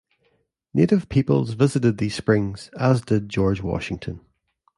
Native peoples visited these springs as did George Washington.